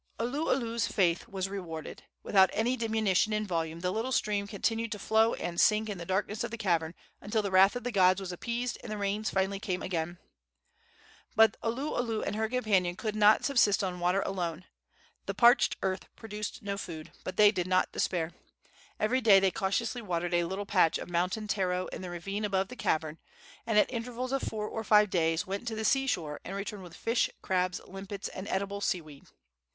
Oluolu's faith was rewarded. Without any diminution in volume the little stream continued to flow and sink in the darkness of the cavern until the wrath of the gods was appeased and the rains finally came again. But Oluolu and her companion could not subsist on water alone. The parched earth produced no food; but they did not despair. Every day they cautiously watered a little patch of mountain taro in the ravine above the cavern, and at intervals of four or five days went to the sea shore and returned with fish, crabs, limpets and edible sea weed.